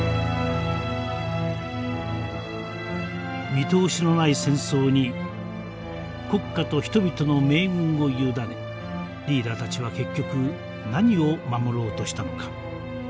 見通しのない戦争に国家と人々の命運を委ねリーダーたちは結局何を守ろうとしたのか。